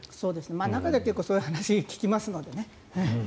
中では結構そういう話を聞きますのでね。